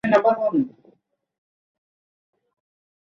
Sir, আপনার ব্রেসলেটটা দেবেন?